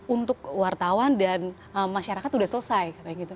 untuk wartawan dan masyarakat sudah selesai